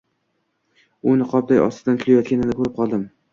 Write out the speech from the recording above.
U niqobining ostidan kulayotganini ko`rib qoldim